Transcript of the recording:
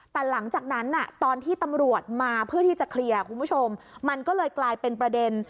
แต่หลังจากนั้นตอนที่ตำรวจมาเพื่อที่จะเคลียร์คุณผู้ชมมันก็เลยกลายเป็นประเด็น